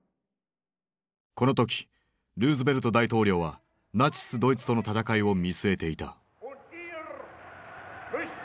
このときルーズベルト大統領はナチスドイツとの戦いを見据えていた。